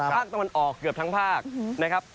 ภาคตะวันออกเกือบทั้งภาคนะครับ